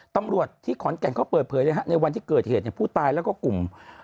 ตำรวจที่ขอนแก่นเขาเปิดเผยเลยฮะในวันที่เกิดเหตุผู้ตายแล้วก็กลุ่ม